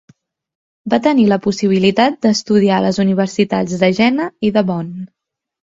Va tenir la possibilitat d'estudiar a les universitats de Jena i de Bonn.